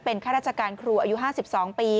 ข้าราชการครูอายุ๕๒ปี